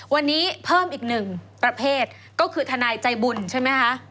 วันนี้เพิ่มอีกหนึ่งประเภทก็คือทนายใจบุญใช่ไหมคะ